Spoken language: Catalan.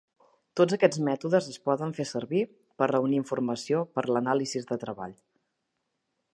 Tots aquests mètodes es poden fer servir per reunir informació per a l'anàlisi de treball.